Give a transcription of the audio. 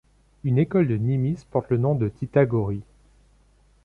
Une école de Nimis porte le nom de Tita Gori.